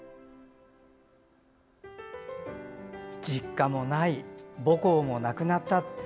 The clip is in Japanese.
実家もない母校もなくなった。